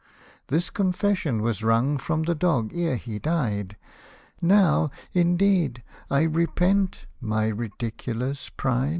This confession was wrung from the dog ere he died, Now, indeed, I repent my ridiculous pride/' FABLE